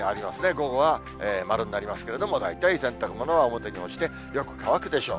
午後は丸になりますけれども、大体洗濯物は表に干してよく乾くでしょう。